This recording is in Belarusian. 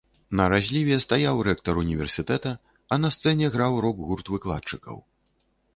На разліве стаяў рэктар універсітэта, а на сцэне граў рок-гурт выкладчыкаў.